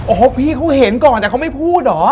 โอ้โหพี่เขาเห็นก่อนแต่เขาไม่พูดเหรอ